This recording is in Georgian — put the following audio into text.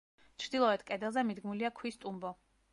ჩრდილოეთ კედელზე მიდგმულია ქვის ტუმბო.